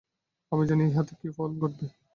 আমি জানি না, ইহাতে কি ফল হইবে।